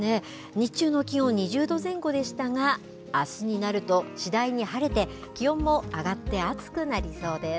日中の気温、２０度前後でしたが、あすになると次第に晴れて、気温も上がって暑くなりそうです。